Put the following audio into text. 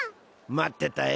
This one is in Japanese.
待ってたよ。